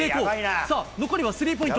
さあ、残りはスリーポイント。